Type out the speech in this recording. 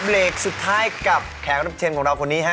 เบรกสุดท้ายกับแขกรับเชิญของเราคนนี้ฮะ